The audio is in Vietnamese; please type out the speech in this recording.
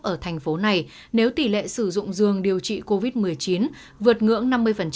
ở thành phố này nếu tỷ lệ sử dụng giường điều trị covid một mươi chín vượt ngưỡng năm mươi